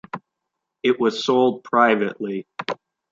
It was sold privately.